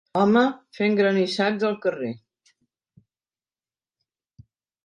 Home fent granissats al carrer